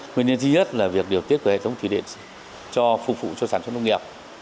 nguyên nhân thứ nhất là việc điều tiết về hệ thống thủy điện cho phục vụ cho sản xuất nông nghiệp